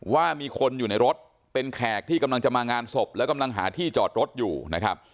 ว่ามีคนอยู่ในรถเป็นแขกที่กำลังจะมางานศพแล้วกำลังหาที่จอดรถอยู่นะครับ